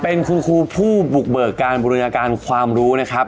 เป็นคุณครูผู้บุกเบิกการบูรณาการความรู้นะครับ